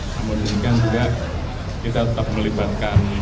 kemudian juga kita tetap melibatkan